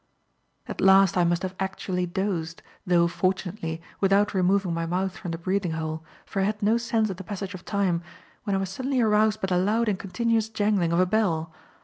At last I must have actually dozed, though, fortunately, without removing my mouth from the breathing hole, for I had no sense of the passage of time, when I was suddenly aroused by the loud and continuous jangling of a bell.